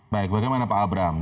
baik bagaimana pak abraham